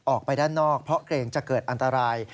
ออกไปด้านนอกเพราะเกรงจะเกิดอันตราย